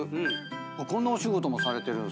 こんなお仕事もされてるんですか。